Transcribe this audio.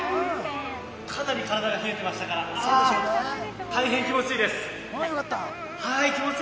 かなり体が冷えていましたから大変気持ち良いです。